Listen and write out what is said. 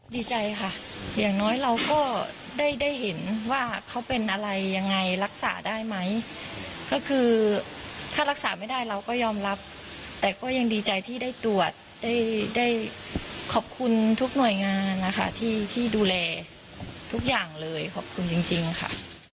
ดีใจค่ะอย่างน้อยเราก็ได้ได้เห็นว่าเขาเป็นอะไรยังไงรักษาได้ไหมก็คือถ้ารักษาไม่ได้เราก็ยอมรับแต่ก็ยังดีใจที่ได้ตรวจได้ได้ขอบคุณทุกหน่วยงานนะคะที่ดูแลทุกอย่างเลยขอบคุณจริงค่ะ